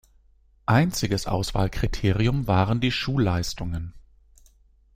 Einziges Auswahlkriterium waren die Schulleistungen.